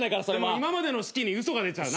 今までの式に嘘が出ちゃうな。